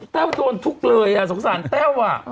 แต้วโดนทุกเลยสงสารแต้ว